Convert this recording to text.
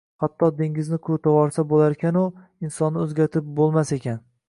Hatto dengizni quritvorsa bo‘larkan-u, insonni o‘zgartirib bo‘lmas ekan